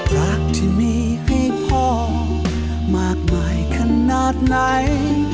รักที่มีให้พ่อมากมายขนาดไหน